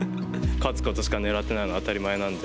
勝つことしかねらってないのは当たり前なんで。